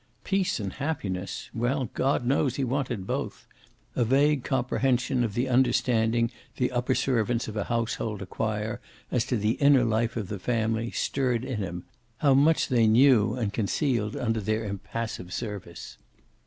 Peace and happiness! Well, God knows he wanted both. A vague comprehension of the understanding the upper servants of a household acquire as to the inner life of the family stirred in him; how much they knew and concealed under their impassive service.